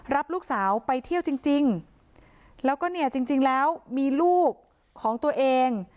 รับลูกสาวไปเที่ยวจริงจริงแล้วก็เนี่ยจริงจริงแล้วมีลูกของตัวเอง